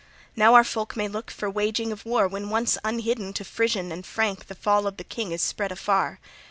Now our folk may look for waging of war when once unhidden to Frisian and Frank the fall of the king is spread afar.